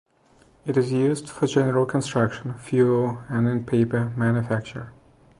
It is used for general construction, fuel, and in paper manufacture.